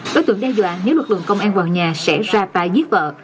đối tượng đe dọa nếu lực lượng công an vào nhà sẽ ra tay giết vợ